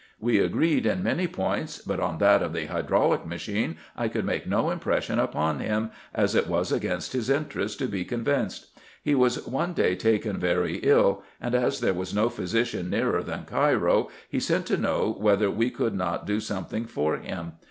We agreed in many points ; but on that of the hydraulic machine I could make no impression upon him, as it was against his interest to be convinced. He was one day taken very ill ; and as there was no physician nearer than Cairo, he sent to know whether we could not do something for him.